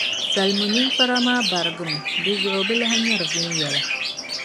Salmu ninkpara maa barigi mi, di zuɣu o bi lahi nyɛri viɛnyɛla.